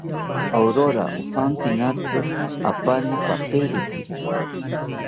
Aurora ojankinatzi apani peperiki